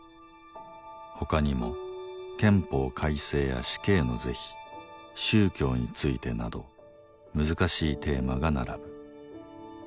他にも憲法改正や死刑の是非宗教についてなど難しいテーマが並ぶ。